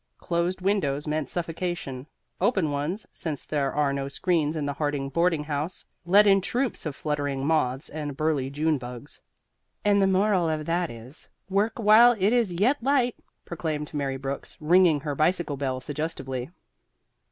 Closed windows meant suffocation; open ones since there are no screens in the Harding boarding house let in troops of fluttering moths and burly June bugs. "And the moral of that is, work while it is yet light," proclaimed Mary Brooks, ringing her bicycle bell suggestively.